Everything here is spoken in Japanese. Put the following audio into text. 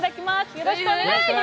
よろしくお願いします。